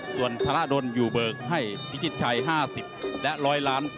ส่วนธาระดนอยู่เบิกให้พิกิจชัย๕๐และร้อยล้าน๔๗